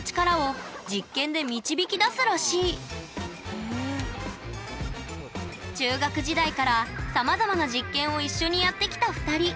どうやら中学時代からさまざまな実験を一緒にやってきた２人。